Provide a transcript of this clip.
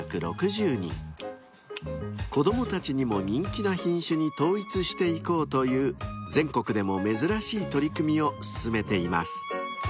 ［子供たちにも人気な品種に統一していこうという全国でも珍しい取り組みを進めています］